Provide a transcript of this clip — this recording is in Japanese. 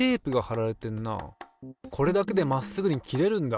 これだけでまっすぐに切れるんだ。